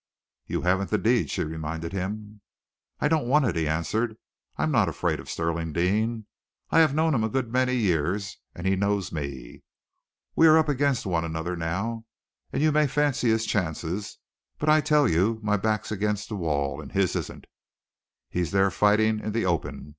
"You haven't the deed," she reminded him. "I don't want it," he answered. "I am not afraid of Stirling Deane. I have known him a good many years, and he knows me. We are up against one another now, and you may fancy his chances; but I tell you my back's against the wall, and his isn't. He's there fighting in the open.